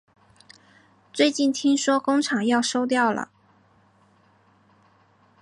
最近听说工厂要收掉了